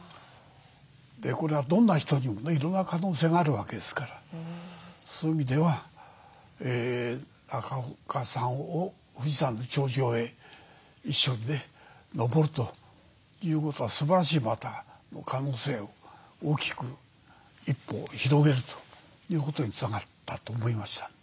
これはどんな人にもねいろんな可能性があるわけですからそういう意味では中岡さんを富士山の頂上へ一緒にね登るということはすばらしいまた可能性を大きく一歩を広げるということにつながったと思いました。